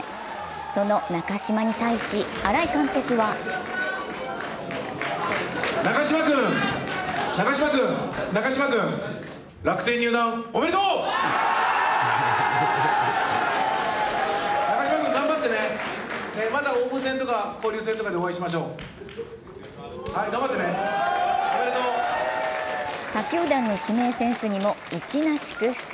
その中島に対し新井監督は他球団の指名選手にも粋な祝福。